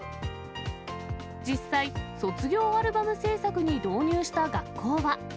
実際、卒業アルバム制作に導入した学校は。